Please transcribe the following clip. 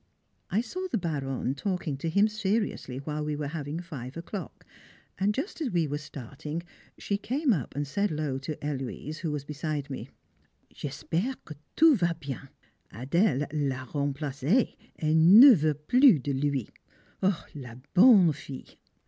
I saw the Baronne talking to him seriously while we were having "five o'clock;" and just as we were starting, she came up and said low to Héloise, who was beside me, "J'espère que tout va bien, Adèle l'a remplacé, et ne veut plus de lui! Oh! la bonne fille!"